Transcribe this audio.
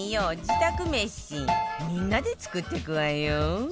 自宅メシみんなで作っていくわよ